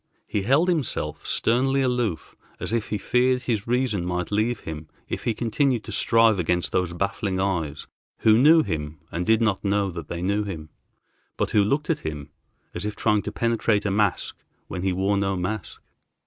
He held himself sternly aloof, as if he feared his reason might leave him if he continued to strive against those baffling eyes, who knew him and did not know that they knew him, but who looked at him as if trying to penetrate a mask when he wore no mask.